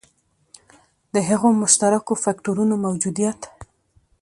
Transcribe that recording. د هغو مشترکو فکټورونو موجودیت.